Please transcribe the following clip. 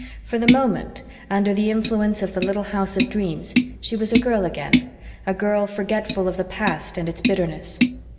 For the moment, under the influence of the little house of dreams, she was a girl again a girl forgetful of the past and its bitterness.